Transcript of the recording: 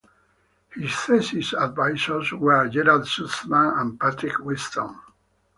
His thesis advisors were Gerald Sussman and Patrick Winston.